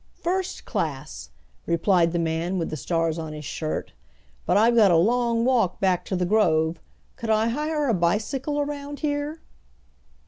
"First class," replied the man with the stars on his shirt. "But I've got a long walk back to the grove. Could I hire a bicycle around here?"